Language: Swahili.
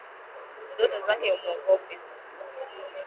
Ndoto zake humwogofya